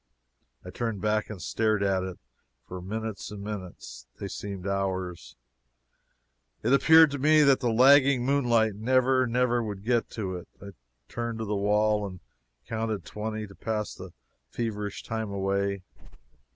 I turned back and stared at it for minutes and minutes they seemed hours. It appeared to me that the lagging moonlight never, never would get to it. I turned to the wall and counted twenty, to pass the feverish time away.